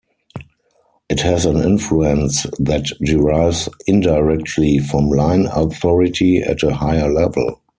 It has an influence that derives indirectly from line authority at a higher level.